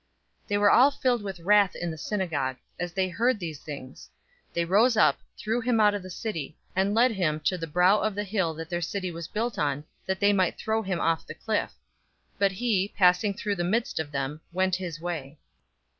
004:028 They were all filled with wrath in the synagogue, as they heard these things. 004:029 They rose up, threw him out of the city, and led him to the brow of the hill that their city was built on, that they might throw him off the cliff. 004:030 But he, passing through the midst of them, went his way.